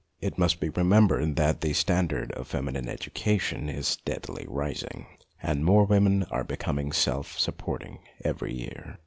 It must be remembered that the standard of feminine education is steadily rising, and more women are becoming self supporting every year.